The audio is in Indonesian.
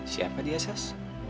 siapa dia sas